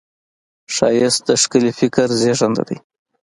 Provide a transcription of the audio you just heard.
ښایست د ښکلي فکر زېږنده ده